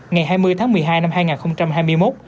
ngày hai mươi tháng một mươi hai năm hai nghìn hai mươi một